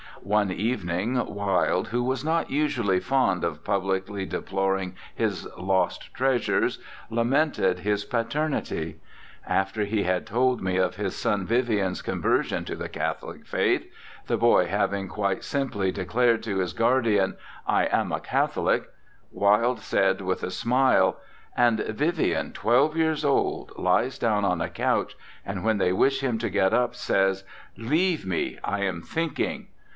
One evening Wilde, who was not usually fond of publicly deploring his lost treasures, lamented his paternity. After he had told me of his son Vivian's conversion to the Catholic faith, the boy having quite simply de clared to his guardian " I am a Catholic," Wilde said with a smile, ''And Vivian, twelve years old, lies down on a couch, and when they wish him to get up, says; 'Leave me I am thinking!'